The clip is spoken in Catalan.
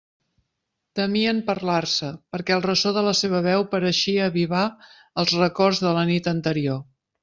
Temien parlar-se, perquè el ressò de la seua veu pareixia avivar els records de la nit anterior.